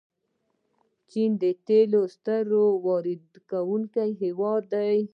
چین د تیلو ستر واردونکی هیواد دی.